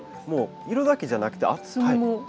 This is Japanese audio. もう色だけじゃなくて厚みも。